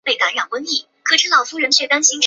雄维勒马洛蒙人口变化图示